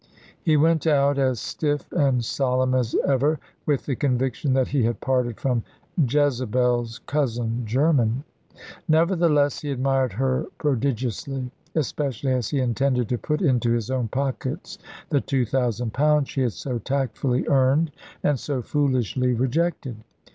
He went out as stiff and solemn as ever, with the conviction that he had parted from Jezebel's cousin german. Nevertheless, he admired her prodigiously, especially as he intended to put into his own pockets the two thousand pounds she had so tactfully earned, and so foolishly rejected.